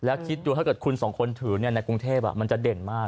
แล้วคิดดูถ้าเกิดคุณสองคนถือในกรุงเทพมันจะเด่นมาก